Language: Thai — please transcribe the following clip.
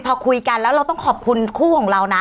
พอคุยกันแล้วเราต้องขอบคุณคู่ของเรานะ